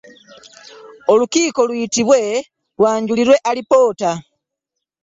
Olukiiko luyitibwe lwanjulirwe alipoota.